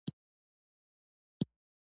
جواهرات د افغان ماشومانو د زده کړې موضوع ده.